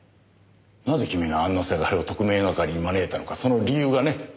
なぜ君があんなせがれを特命係に招いたのかその理由がね。